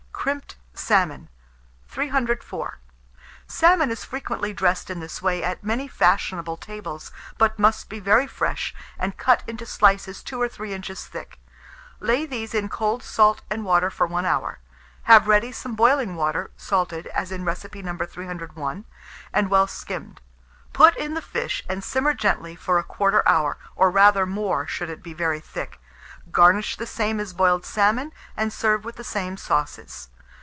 CRIMPED SALMON. 304. Salmon is frequently dressed in this way at many fashionable tables, but must be very fresh, and cut into slices 2 or 3 inches thick. Lay these in cold salt and water for 1 hour; have ready some boiling water, salted, as in recipe No. 301, and well skimmed; put in the fish, and simmer gently for 1/4 hour, or rather more; should it be very thick, garnish the same as boiled salmon, and serve with the same sauces.